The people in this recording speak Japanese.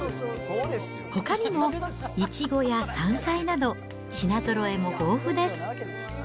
ほかにもイチゴや山菜など、品ぞろえも豊富です。